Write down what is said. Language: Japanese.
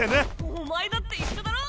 お前だって一緒だろ！